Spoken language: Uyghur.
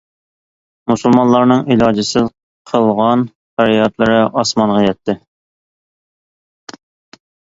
مۇسۇلمانلارنىڭ ئىلاجىسىز قىلغان پەريادلىرى ئاسمانغا يەتتى.